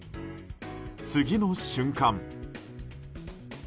次の瞬間。